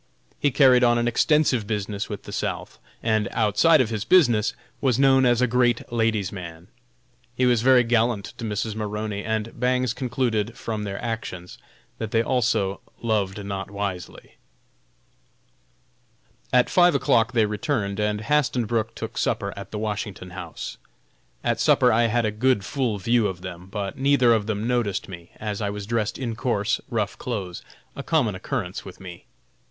He carried on an extensive business with the South, and, outside of his business, was known as a great ladies' man. He was very gallant to Mrs. Maroney, and Bangs concluded, from their actions, that they also "loved not wisely." At five o'clock they returned and Hastenbrook took supper at the Washington House. At supper I had a good full view of them, but neither of them noticed me, as I was dressed in coarse, rough clothes a common occurrence with me.